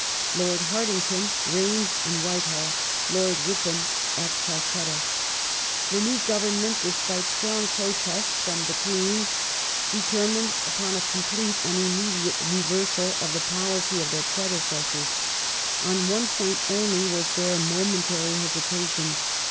Lord Hartington reigned in Whitehall, Lord Ripon at Calcutta. The new Government, despite strong protest fi om the 472 AFGHANISTAN, SOUTH AFRICA, IRELAND [1876 Queen, determined upon a complete and immediate reversal of the policy of their predecessors. On one point only was there momen tary hesitation.